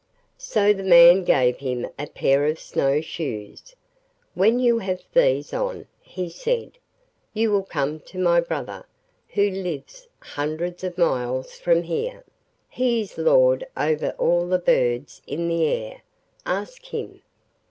So the man gave him a pair of snow shoes. 'When you have these on,' he said, 'you will come to my brother, who lives hundreds of miles from here; he is Lord over all the birds in the air—ask him.